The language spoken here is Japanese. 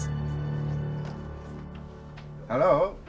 ハロー！